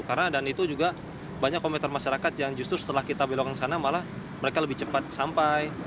karena dan itu juga banyak komentar masyarakat yang justru setelah kita belokan sana malah mereka lebih cepat sampai